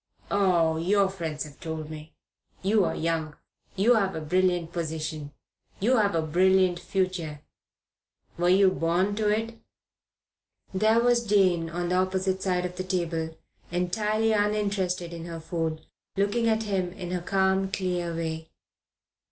"Oh, your friends have told me. You are young. You have a brilliant position. You have a brilliant future. Were you born to it?" There was Jane on the opposite side of the table, entirely uninterested in her food, looking at him in her calm, clear way.